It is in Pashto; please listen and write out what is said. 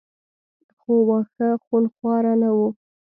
خو واښه خونخواره نه وو.